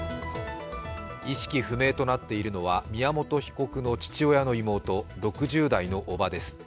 意識不明となっているのは宮本被告の父親の妹、６０代の叔母です。